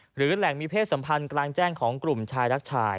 หรือแหล่งมีเพศสัมพันธ์กลางแจ้งของกลุ่มชายรักชาย